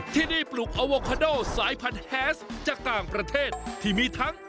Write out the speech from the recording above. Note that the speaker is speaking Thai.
ที่นี่ปลูกอโวคาโดสายพันธุ์แฮสจากต่างประเทศที่มีทั้ง